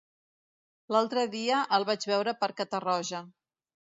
L'altre dia el vaig veure per Catarroja.